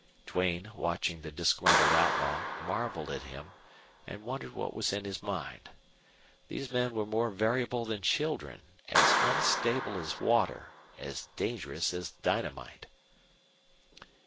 Duane, watching the disgruntled outlaw, marveled at him and wondered what was in his mind. These men were more variable than children, as unstable as water, as dangerous as dynamite.